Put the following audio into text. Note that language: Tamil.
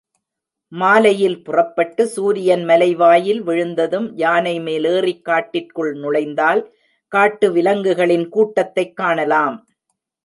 மாலையில் புறப்பட்டு, சூரியன் மலைவாயில் விழுந்ததும் யானை மேல் ஏறிக் காட்டிற்குள் நுழைந்தால், காட்டு விலங்குகளின் கூட்டத்தைக் காணலாம்.